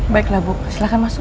baiklah bu silahkan masuk